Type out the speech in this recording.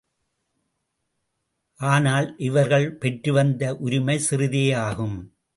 ஆனால், இவர்கள் பெற்று வந்த உரிமை சிறிதே ஆகும்.